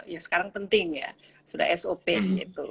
ya sekarang penting ya sudah sop gitu